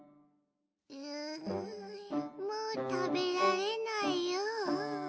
うんもう食べられないよ。